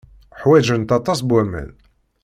Ḥwajent aṭas n waman.